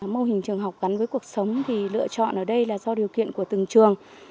mô hình trường học gắn với cuộc sống thì lựa chọn ở đây là do điều kiện của từng trường